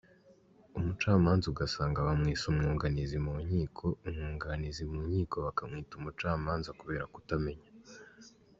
Umucamanza ugasanga bamwise umwunganizi mu nkiko, umwunganizi mu nkiko bakamwita umucamanza kubera kutamenya.